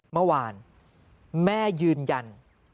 เมื่อวานแม่ยืนยัน